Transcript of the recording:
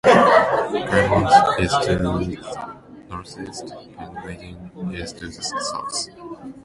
Claremont is to the northeast, and Maiden is to the south.